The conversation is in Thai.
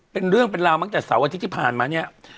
เป็นเรื่องเป็นราวตั้งแต่เสาร์อาทิตย์ที่ผ่านมาเนี่ย